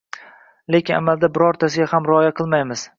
Lekin amalda birortasiga ham rioya qilmaymiz